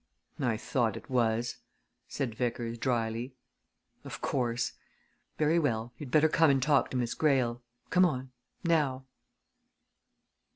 "I thought it was," said Vickers dryly. "Of course! Very well you'd better come and talk to Miss Greyle. Come on now!"